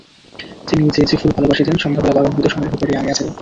তিনি যে যে ফুল ভালোবাসিতেন সন্ধ্যাবেলা বাগান হইতে সংগ্রহ করিয়া আনিয়াছিলেন।